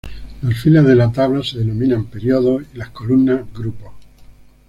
Las filas de la tabla se denominan períodos y las columnas grupos.